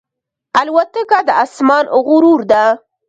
الوتکه د آسمان غرور ده.